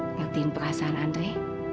ngertiin perasaan andre